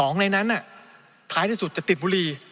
ในนั้นท้ายที่สุดจะติดบุรี